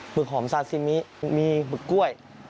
ึกหอมซาซิมิมีหมึกกล้วย